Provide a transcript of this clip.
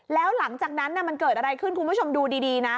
แล้วหลังจากนั้นมันเกิดอะไรขึ้นคุณผู้ชมดูดีนะ